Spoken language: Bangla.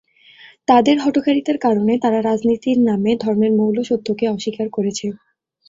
তাদের হঠকারিতার কারণে তারা রাজনীতির নামে ধর্মের মৌল সত্যকে অস্বীকার করেছে।